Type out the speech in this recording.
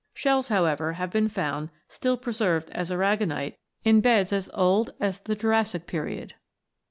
Shells, however, have been found still preserved as aragonite in beds as old as the Jurassic period (s).